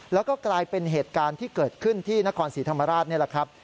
แล้วก็กลายเป็นเหตุการณ์ที่เกิดขึ้นที่นครศรีธรรมราชนี่แหละครับ